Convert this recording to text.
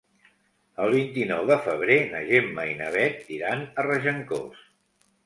El vint-i-nou de febrer na Gemma i na Bet iran a Regencós.